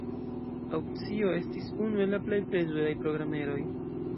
Aŭkcio estis unu el la plej plezuraj programeroj.